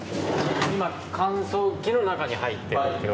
今乾燥機の中に入ってる。